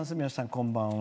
こんばんは。